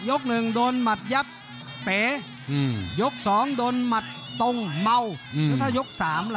ยกหนึ่งโดนหมัดยับเต้ยกสองโดนหมัดตงเมาแล้วถ้ายกสามล่ะ